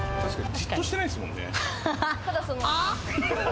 じっとしてないですもんね。